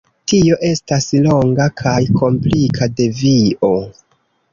Tio estas longa kaj komplika devio.